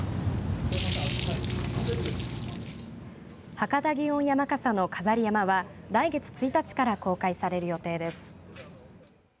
博多祇園山笠の飾り山笠は来月１日から公開される予定です。